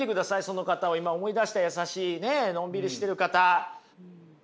その方を今思い出した優しいのんびりしてる方。